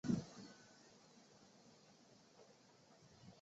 长龙骨黄耆是豆科黄芪属的植物。